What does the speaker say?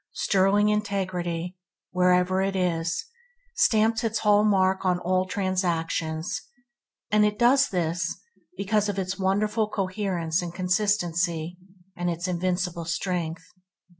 Sterling integrity tell wherever it is, and stamps it hall mark on all transactions; and it does this because of its wonderful coherence and consistency, and its invincible strength.